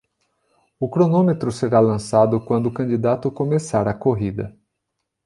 O cronômetro será lançado quando o candidato começar a corrida.